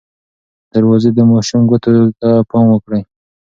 دروازې د ماشوم ګوتو ته پام وکړئ.